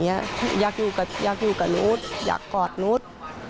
อยากอยู่กับนุ๊ดอยากกอดนุ๊ด